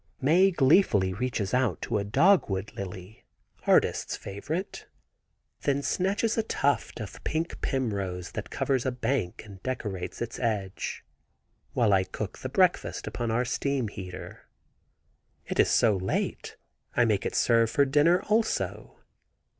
Mae gleefully reaches to a dogwood lily (artist's favorite), then snatches a tuft of pink primrose that covers a bank and decorates its edge, while I cook the breakfast upon our steam heater. It is so late I make it serve for dinner also.